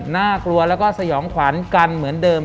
น่ากลัวแล้วก็สยองขวัญกันเหมือนเดิม